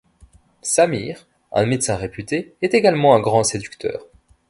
Sameer, un médecin réputé, est également un grand séducteur.